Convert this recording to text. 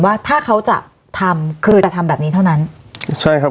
ว่าถ้าเขาจะทำคือจะทำแบบนี้เท่านั้นใช่ครับ